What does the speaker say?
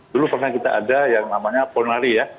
dulu pernah kita ada yang namanya ponari ya